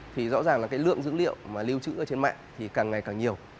thì rõ ràng là cái lượng dữ liệu mà lưu trữ ở trên mạng thì càng ngày càng nhiều